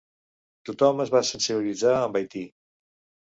Tothom es va sensibilitzar amb Haití.